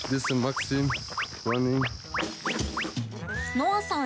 ノアさん